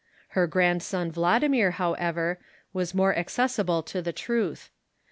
Her grandson Vla dimir, however, was more accessible to the truth.